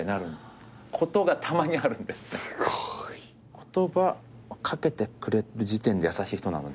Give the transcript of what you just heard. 言葉掛けてくれる時点で優しい人なので。